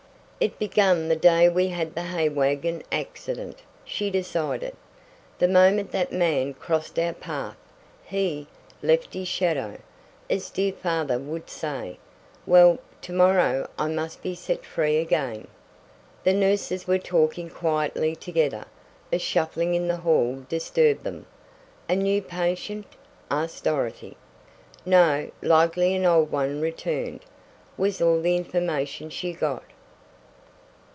"It began the day we had the hay wagon accident," she decided. "The moment that man crossed our path he left his shadow, as dear father would say. Well, to morrow I must be set free again." The nurses were talking quietly together. A shuffling in the hall disturbed them. "A new patient?" asked Dorothy. "No, likely an old one returned," was all the information she got.